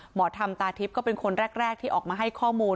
หมอธรรมตาทิพย์ก็เป็นคนแรกที่ออกมาให้ข้อมูล